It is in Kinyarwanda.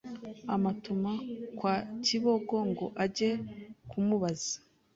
amutuma kwa Kibogo ngo ajye kumubaza